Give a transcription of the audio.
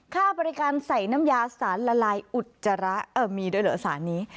ค่าบริการใส่น้ำยาสารละลายอุจจาระเออมีด้วยเหรอสารนี้